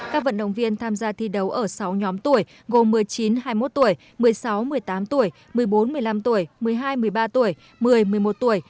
các vận động viên tham gia thi đấu ở sáu nhóm tuổi gồm một mươi chín hai mươi một tuổi một mươi sáu một mươi tám tuổi một mươi bốn một mươi năm tuổi một mươi hai một mươi ba tuổi một mươi một mươi một tuổi